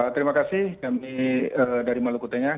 terima kasih kami dari maluku tengah